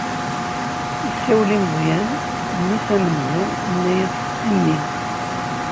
Isawel i Meẓyan, mmi-s amenzu, inna-yas: A mmi!